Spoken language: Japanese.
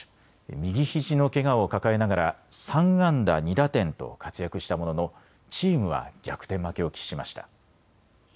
右ひじのけがを抱えながら３安打２打点と活躍したもののチームは逆転負けを喫しました。